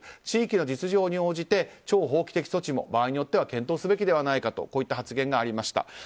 地域の実情に応じて超法規的措置も場合によっては検討すべきではないかという発言がありました。